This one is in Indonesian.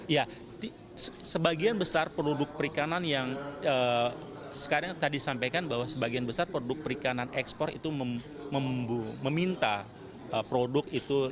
ya sebagian besar produk perikanan yang sekarang tadi sampaikan bahwa sebagian besar produk perikanan ekspor itu meminta produk itu